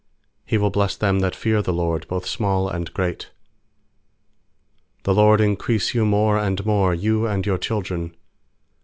13He will bless them that fear the LORD, Both small and great. I4The LORD increase you more and more, You and your children.